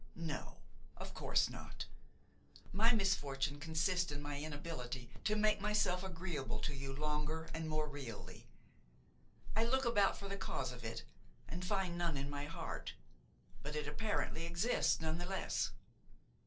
No, of course not. My misfortune consists in my inability to make myself agreeable to you longer and more really. I look about for the cause of it and find none in my heart; but it apparently exists, none the less.